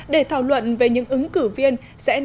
để thảo luận về những ứng cử viên sẽ nằm trong thủ tướng